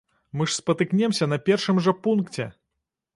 Мы ж спатыкнемся на першым жа пункце!